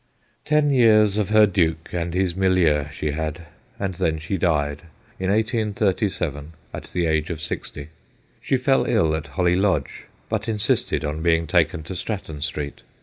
Ten years of her duke and his milieu she had, and then she died, in 1837, at the age of sixty. She fell ill at Holly Lodge, but insisted on being taken to Stratton Street.